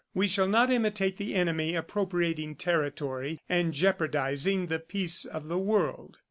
We shall not imitate the enemy, appropriating territory and jeopardizing the peace of the world.